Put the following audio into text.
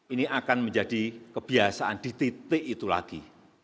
ini akan menjadi kebiasaan di titik itu lagi